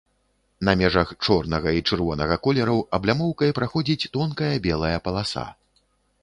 На межах чорнага і чырвонага колераў аблямоўкай праходзіць тонкая белая паласа.